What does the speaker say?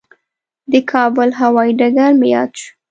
د کابل هوایي ډګر مې یاد شو.